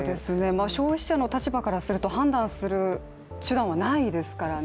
消費者の立場からすると判断する手段はないですからね。